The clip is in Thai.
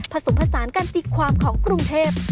ผสมผสานการตีความของกรุงเทพ